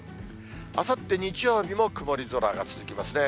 あさって日曜日も曇り空が続きますね。